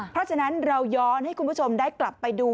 เพราะฉะนั้นเราย้อนให้คุณผู้ชมได้กลับไปดู